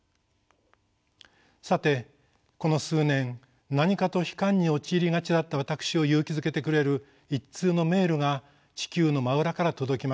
さてこの数年何かと悲観に陥りがちだった私を勇気づけてくれる１通のメールが地球の真裏から届きました。